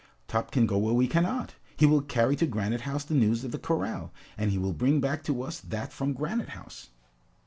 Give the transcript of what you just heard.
"Top can go where we cannot! He will carry to Granite House the news of the corral, and he will bring back to us that from Granite House!"